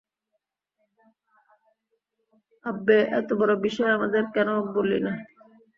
আব্বে, এতো বড় বিষয় আমাদের কেন বললি না?